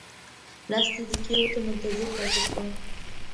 لس دقیقې ورته منتظر پاتې شوم.